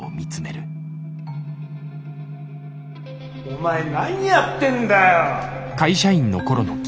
おいでよ。お前何やってんだよ！